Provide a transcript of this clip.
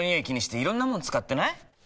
気にしていろんなもの使ってない？